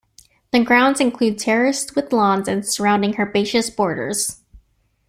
The grounds include terraced with lawns and surrounding herbaceous borders.